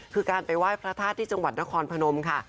คือการไปไหว้พระธาตุที่จังหวัดนครพนมค่ะ